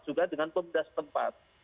juga dengan pembeda setempat